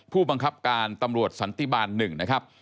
ผู้บังคับการตำรวจสันติบาล๑นะครับ